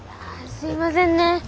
あすいませんね。